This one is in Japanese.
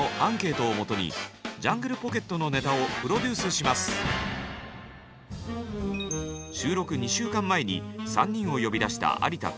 続いては収録２週間前に３人を呼び出した有田Ｐ。